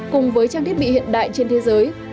cùng với trang thiết bị hiện đại trên thế giới